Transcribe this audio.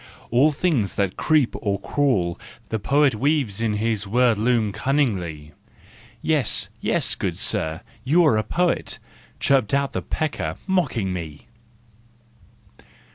All things that creep or crawl the poet Weaves in his word loom cunningly. "Yes, yes, good sir, you are a poet," Chirped out the pecker, mocking me.